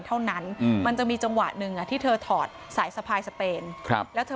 เท่านั้นมันจะมีจังหวะหนึ่งอ่ะที่เธอถอดสายสะพายสเปนครับแล้วเธอ